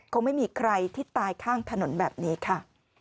คงไม่มีใครที่ตายข้างถนนแบบนี้ค่ะ